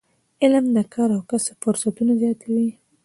علم د کار او کسب فرصتونه زیاتوي.